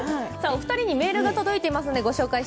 お二人にメールが届いています。